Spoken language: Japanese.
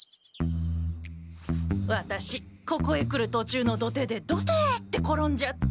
ワタシここへ来るとちゅうの土手でドテッて転んじゃって。